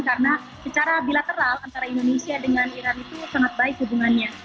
karena secara bilateral antara indonesia dengan iran itu sangat baik hubungannya